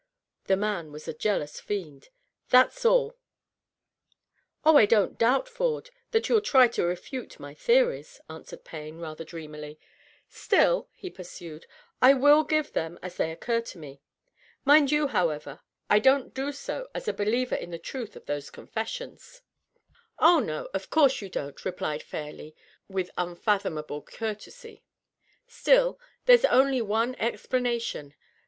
The man was a jealous fiend. That^s all/' " Oh, I don't doubt, Ford, that you'll try to refute my theories,'* answered Payne, rather dreamily. " Still," he pursued, " I vM give them, as they occur to me. Mind you, however, I don't do so as a believer in the truth of these confessions." " Oh, no ; of course you don't," replied Fairleigh, with unfathom able courtesy. " Still, there's only one explanation.